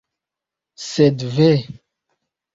Sed, ve!